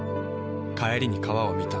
帰りに川を見た。